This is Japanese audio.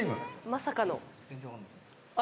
まさかの？